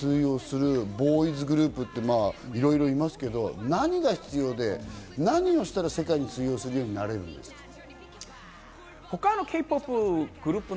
世界で通用するボーイズグループっていろいろいますけど、何が必要で何をしたら世界に通用するようになれるんですか？